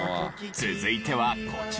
続いてはこちら。